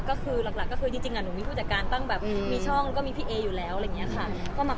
ก็คือหลักก็คือจริงหนูมีผู้จัดการตั้งแบบมีช่องแล้วก็มีพี่เออยู่แล้วอะไรอย่างนี้ค่ะ